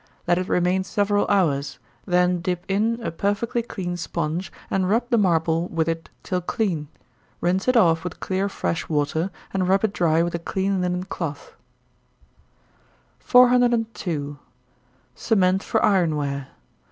Let it remain several hours, then dip in a perfectly clean sponge, and rub the marble with it till clean. Rinse it off with clear fresh water, and rub it dry with a clean linen cloth. 402. _Cement for Iron ware.